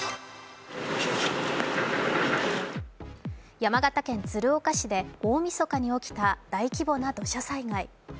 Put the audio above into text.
山形県鶴岡市で大みそかに起きた大規模な土砂災害。